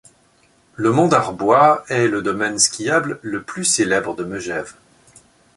Le mont d'Arbois est le domaine skiable le plus célèbre de Megève.